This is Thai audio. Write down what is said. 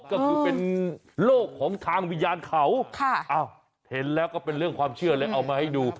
ก็คือเป็นโลกของทางวิญญาณเขาเห็นแล้วก็เป็นเรื่องความเชื่อเลยเอามาให้ดู